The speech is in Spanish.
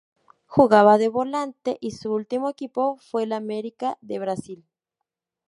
Jugaba de volante y su último equipo fue el America de Brasil.